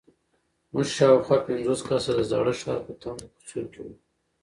موږ شاوخوا پنځوس کسه د زاړه ښار په تنګو کوڅو کې وو.